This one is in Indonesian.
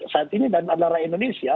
saat ini dan adalah indonesia